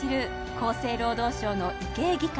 厚生労働省の医系技官